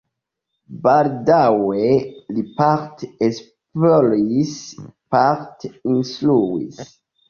Baldaŭe li parte esploris, parte instruis.